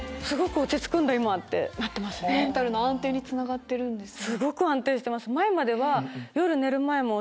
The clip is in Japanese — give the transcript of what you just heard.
メンタルの安定につながってるんですね。